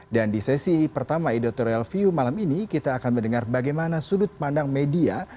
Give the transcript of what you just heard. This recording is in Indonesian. dan di sesi pertama editorial view malam ini kita akan mendengar bagaimana sudut pandang media